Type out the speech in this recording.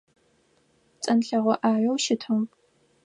Цӏэнлъэгъо ӏаеу щытыгъ.